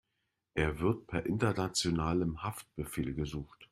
Er wird per internationalem Haftbefehl gesucht.